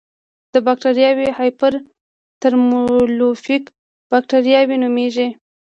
دا بکټریاوې هایپر ترموفیلیک بکټریاوې نومېږي.